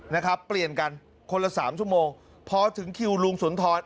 นะครับเปลี่ยนกันคนละสามชั่วโมงพอถึงคิวลุงสุนทร